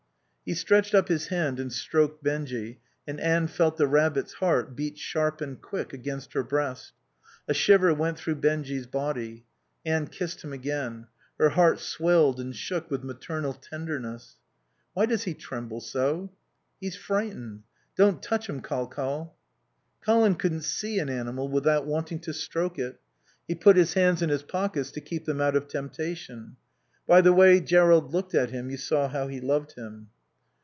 He stretched up his hand and stroked Benjy, and Anne felt the rabbit's heart beat sharp and quick against her breast. A shiver went through Benjy's body. Anne kissed him again. Her heart swelled and shook with maternal tenderness. "Why does he tremble so?" "He's frightened. Don't touch him, Col Col." Colin couldn't see an animal without wanting to stroke it. He put his hands in his pockets to keep them out of temptation. By the way Jerrold looked at him you saw how he loved him.